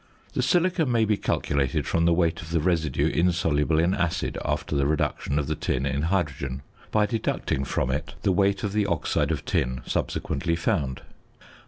~ The silica may be calculated from the weight of the residue insoluble in acid, after the reduction of the tin in hydrogen, by deducting from it the weight of the oxide of tin subsequently found.